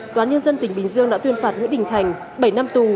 tòa nhân dân tỉnh bình dương đã tuyên phạt nguyễn đình thành bảy năm tù